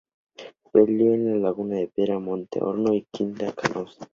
Peleó en Laguna de Piedra, Monte de Horno y Quinta Canosa.